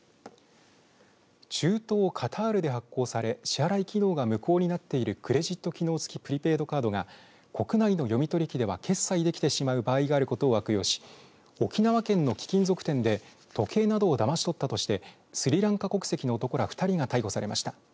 中東カタールで発行され支払い機能が無効になっているクレジット機能付きプリペイドカードが国内の読み取り機では決済できてしまう場合があることを悪用し沖縄県の貴金属店で時計などをだまし取ったとしてスリランカ国籍の男ら２人が逮捕されました。